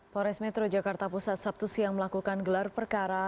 polres metro jakarta pusat sabtu siang melakukan gelar perkara